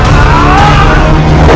setelah kami membawa